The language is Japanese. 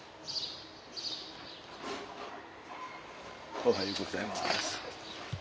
おはようございます。